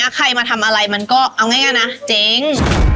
เขาบอกว่าตรงนี้ใครมาทำอะไรมันก็เอาง่ายนะเจ๊ง